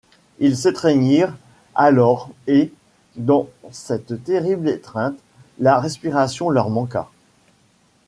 Ils s’étreignirent alors, et, dans cette terrible étreinte, la respiration leur manqua.